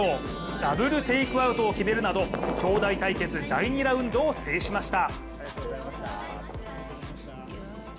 ダブル・テイクアウトを決めるなど兄妹対決第２ラウンドを制しました。